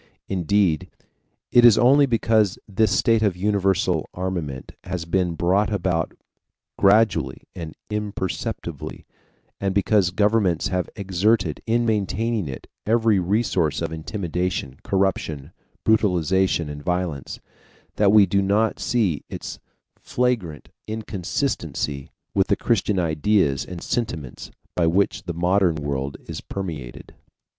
Indeed, it is only because this state of universal armament has been brought about gradually and imperceptibly, and because governments have exerted, in maintaining it, every resource of intimidation, corruption, brutalization, and violence, that we do not see its flagrant inconsistency with the Christian ideas and sentiments by which the modern world is permeated.